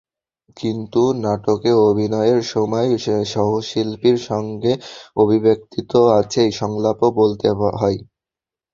কিন্তু নাটকে অভিনয়ের সময় সহশিল্পীর সঙ্গে অভিব্যক্তি তো আছেই, সংলাপও বলতে হয়।